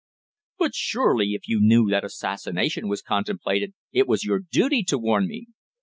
"But surely if you knew that assassination was contemplated, it was your duty to warn me."